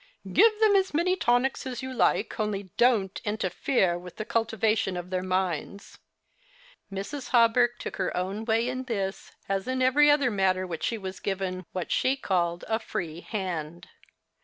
" Give them as many tonics as you like ; only don't interfere with the cultivation of their minds." Mrs. Hawberk took her own way in this as in every other matter in which she was given what she called a £ 66 The Christmas Hirelings. free hand.